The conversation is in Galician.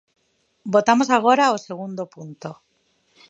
Votamos agora o segundo punto.